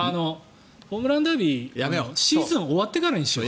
ホームランダービーシーズン終わってからにしよう。